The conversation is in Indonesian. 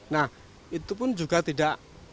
nah itu pun juga